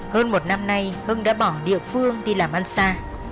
hơn một năm nay hưng đã bỏ địa phương đi làm ăn xa